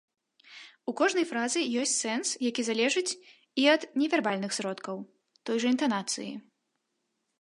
У кожнай фразы ёсць сэнс, які залежыць і ад невярбальных сродкаў, той жа інтанацыі.